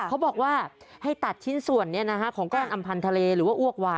เขาบอกไว้ให้ตัดชิ้นส่วนนี้นะฮะของก้อนอัมพันธาเลหรือว่าอวกวาน